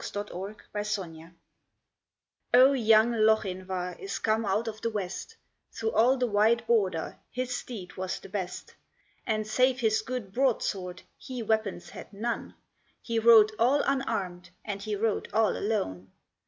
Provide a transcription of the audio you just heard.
SIR WALTER SCOTT O, young Lochinvar is come out of the West, Through all the wide Border his steed was the best; And, save his good broadsword, he weapons had none, He rode all unarmed and he rode all alone.